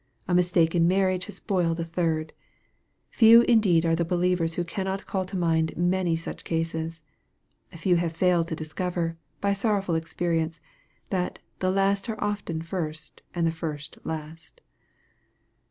A mistake in marriage has spoiled a third. Few indeed are the believers who cannot call to mind many such cases. Few have failed to discover, by sorrowful experience, that " the last are often first, and the first last."